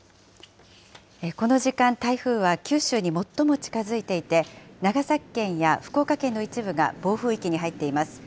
この時間、台風は九州に最も近づいていて、長崎県や福岡県の一部が暴風域に入っています。